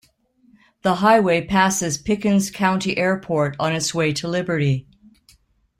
The highway passes Pickens County Airport on its way to Liberty.